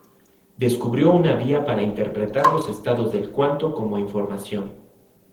Descubrió una vía para interpretar los estados del cuanto como información.